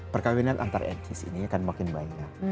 perkawinan antar etnis ini akan makin banyak